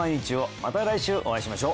また来週お会いしましょう